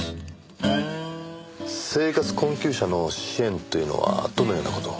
生活困窮者の支援というのはどのような事を？